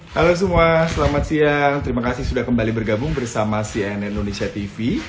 halo semua selamat siang terima kasih sudah kembali bergabung bersama cnn indonesia tv